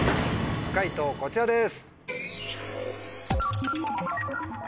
解答こちらです。